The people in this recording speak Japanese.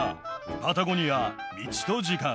パタゴニア道と時間。